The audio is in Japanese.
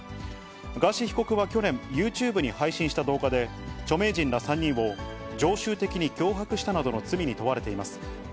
ガーシー被告は去年、ユーチューブに配信した動画で、著名人ら３人を常習的に脅迫したなどの罪に問われています。